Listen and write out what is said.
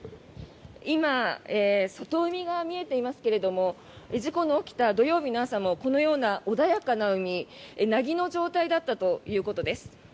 今、外海が見えていますが事故の起きた土曜日の朝もこのような穏やかな海なぎの状態だったということです。